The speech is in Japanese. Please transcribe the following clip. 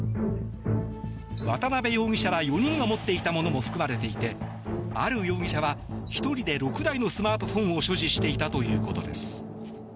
渡邉容疑者ら４人が持っていたものも含まれていてある容疑者は１人で６台のスマートフォンを所持していたということです。